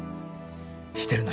してるの？